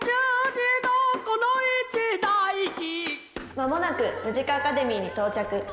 「間もなくムジカ・アカデミーに到着」。